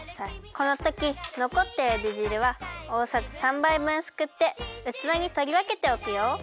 このときのこったゆでじるはおおさじ３ばいぶんすくってうつわにとりわけておくよ。